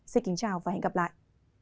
xin kính chào và hẹn gặp lại